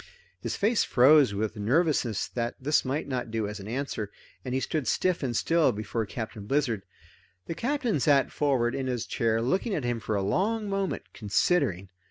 His face froze with nervousness that this might not do as an answer, and he stood stiff and still before Captain Blizzard. The Captain sat forward in his chair looking at him for a long moment, considering.